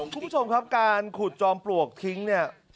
คุณผู้ชมครับการขุดจอมปลวกทิ้งเนี่ย